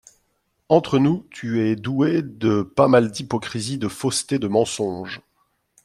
Entre nous, tu es douée de pas mal d’hypocrisie, de fausseté, de mensonge !